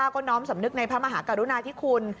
ก็น้อมสำนึกในพระมหากรุณาธิคุณ